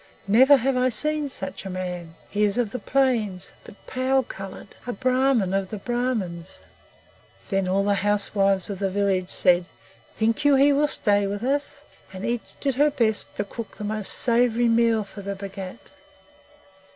Never have I seen such a man. He is of the Plains but pale coloured a Brahmin of the Brahmins." Then all the housewives of the village said, "Think you he will stay with us?" and each did her best to cook the most savoury meal for the Bhagat.